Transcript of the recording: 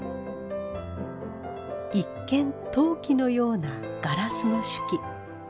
一見陶器のようなガラスの酒器。